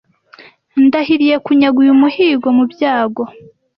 ndahiriye kunyaga uyu muhigo mu byago